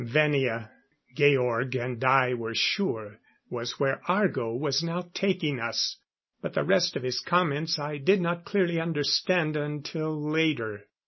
Venia, Georg and I were sure, was where Argo was now taking us. But the rest of his comments I did not clearly understand until later.